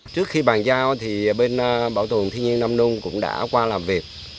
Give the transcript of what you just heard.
trước khi bàn giao thì bên bảo tường thiên nhiên năm nung cũng đã qua làm việc